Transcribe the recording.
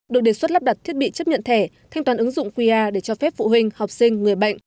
được đề xuất lắp đặt thiết bị chấp nhận thẻ thanh toán ứng dụng qr để cho phép phụ huynh học sinh người bệnh